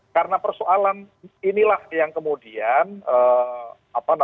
karena persoalan inilah yang kemudian